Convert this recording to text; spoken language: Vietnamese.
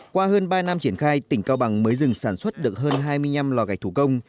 qua hơn ba năm triển khai tỉnh cao bằng mới dừng sản xuất được hơn hai mươi năm lò gạch thủ công